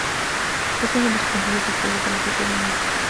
Es uno de los principios activos del aceite de anís.